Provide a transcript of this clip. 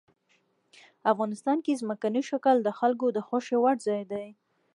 افغانستان کې ځمکنی شکل د خلکو د خوښې وړ ځای دی.